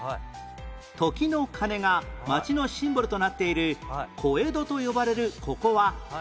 時の鐘が街のシンボルとなっている小江戸と呼ばれるここは何市？